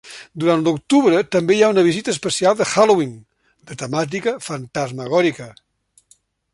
Durant l'octubre, també hi ha una visita especial de Halloween de temàtica fantasmagòrica.